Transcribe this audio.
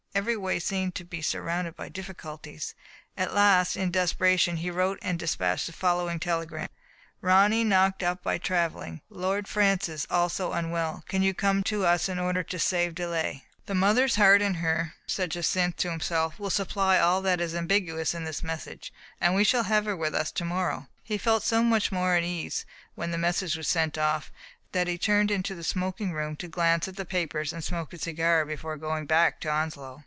Every way seemed to be surrounded by difficulties. At last, in desperation, he wrote and dispatched the following telegram : Ronny knocked up by traveling; Lord Francis also unwell; can you come to us in order to save delay ? "The mother's heart in her," said Jacynth to himself, "will supply all that is ambiguous in this message, and we shall have her with us to morrow." He felt so much more at ease when the mes sage was sent off, that he turned into the smoking room to glance at the papers and smoke a cigar before going back to Onslow.